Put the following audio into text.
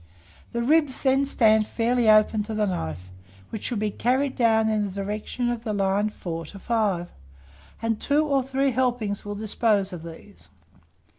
The ribs then stand fairly open to the knife, which should be carried down in the direction of the line 4 to 5; and two or three helpings will dispose of these.